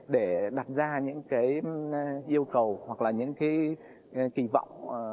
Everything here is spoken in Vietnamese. để đặt ra những cái yêu cầu hoặc là những cái kỳ vọng